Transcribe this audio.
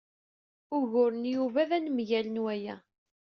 Ugur n Yuba d anemgal n waya.